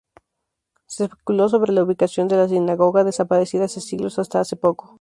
Se especuló sobre la ubicación de la sinagoga, desaparecida hace siglos, hasta hace poco.